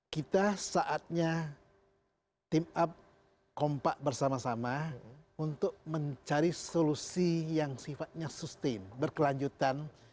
kita saatnya team up kompak bersama sama untuk mencari solusi yang sifatnya sustain berkelanjutan